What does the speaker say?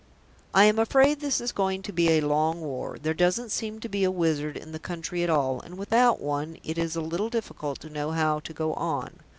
"I am afraid this is going to be a long war. There doesn't seem to be a wizard in the country at all, and without one it is a little difficult to know how to go on.